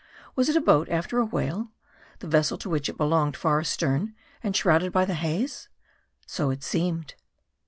Was it a boat after a whale ? The vessel to which it belonged far astern, and shrouded by the haze ? So it seemed.